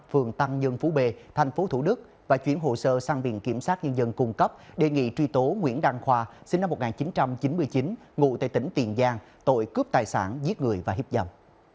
phường tăng nhân phú b tp thủ đức và chuyển hồ sơ sang viện kiểm sát nhân dân cung cấp đề nghị truy tố nguyễn đăng khoa sinh năm một nghìn chín trăm chín mươi chín ngụ tại tỉnh tiền giang tội cướp tài sản giết người và hiếp dầm